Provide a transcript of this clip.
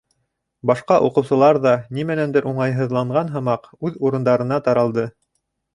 Башҡа уҡыусылар ҙа, нимәнәндер уңайһыҙланған һымаҡ, үҙ урындарына таралды.